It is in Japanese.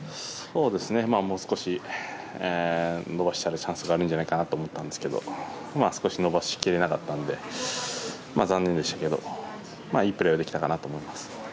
もう少し伸ばしたらチャンスがあるんじゃないかと思ったんですが少し伸ばし切れなかったので残念でしたけどいいプレーはできたかなと思います。